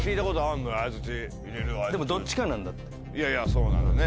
いやいやそうなのよね。